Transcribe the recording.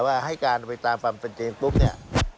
ว่าให้การไปตามฟังมันจริงปุ๊บนี่